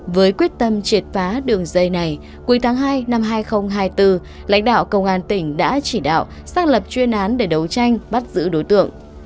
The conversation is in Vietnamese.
với quyết tâm triệt phá đường dây này cuối tháng hai năm hai nghìn hai mươi bốn lãnh đạo công an tỉnh đã chỉ đạo xác lập chuyên án để đấu tranh bắt giữ đối tượng